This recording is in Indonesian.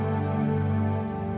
pasti kamu bohong deh